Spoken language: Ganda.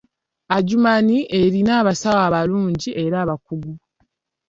Adjumani eyina abasawo abalungi era abakugu.